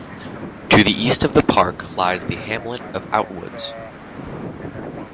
To the east of the park lies the hamlet of Outwoods.